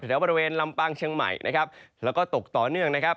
แถวบริเวณลำปางเชียงใหม่นะครับแล้วก็ตกต่อเนื่องนะครับ